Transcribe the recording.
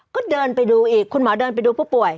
ก็เดินไปดูอีกคุณหมอเดินไปดูผู้ป่วย